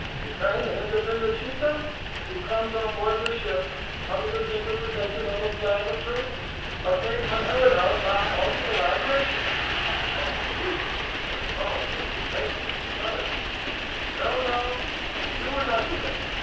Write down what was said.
Detain an independent chieftain, who comes on board your ship under the sacred protection of a flag of truce, a thing unheard of by all civilised nations," exclaimed the Greek in a tone of indignation and astonishment; "no, no, you will not do that."